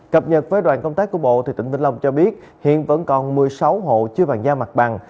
cập nhật với đoàn công tác của bộ tỉnh vĩnh long cho biết hiện vẫn còn một mươi sáu hộ chưa bàn giao mặt bằng